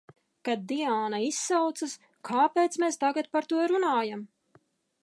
Kad Diāna izsaucas – kāpēc mēs tagad par to runājam!